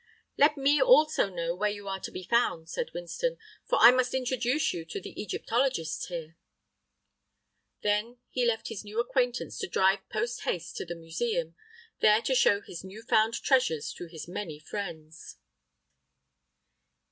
"Let me also know where you are to be found," said Winston, "for I must introduce you to the Egyptologists here." Then he left his new acquaintance to drive post haste to the museum, there to show his new found treasures to his many friends.